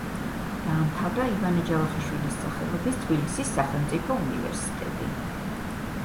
დაამთავრა ივანე ჯავახიშვილის სახელობის თბილისის სახელმწიფო უნივერსიტეტი.